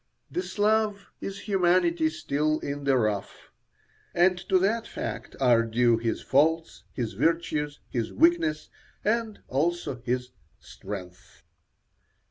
The Slav is humanity still in the rough, and to that fact are due his faults, his virtues, his weakness, and also his strength.